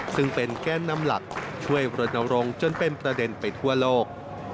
ซึ่งเป็นแกนนำหลักช่วยรณรงค์จนเป็นประเด็นไปทั่วโลก